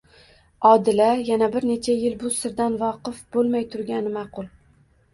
Odila yana bir necha Yil bu sirdan voqif bo'lmay turgani ma'qul.